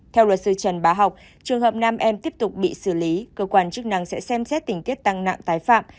theo luật sư trần bá học trường hợp nam em tiếp tục bị xử lý cơ quan chức năng sẽ xem xét tình tiết tăng nặng tái phạm